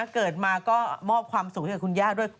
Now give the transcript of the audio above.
เกิดมาก็มอบความสุขให้กับคุณย่าด้วย